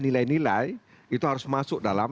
nilai nilai itu harus masuk dalam